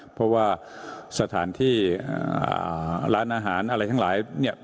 เพราะว่าสถานที่ร้านอาหารอะไรทั้งหลายเนี่ย